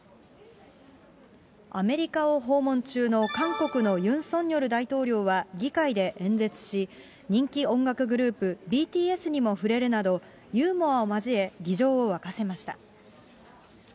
アメリカを訪問中の韓国のユン・ソンニョル大統領は、議会で演説し、人気音楽グループ、ＢＴＳにも触れるなど、ユーモアを交え、議場を沸かせました。